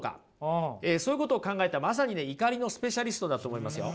そういうことを考えたまさにね怒りのスペシャリストだと思いますよ。